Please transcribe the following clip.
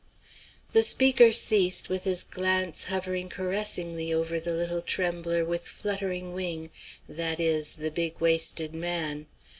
"'" The speaker ceased, with his glance hovering caressingly over the little trembler with fluttering wing, that is, the big waisted man.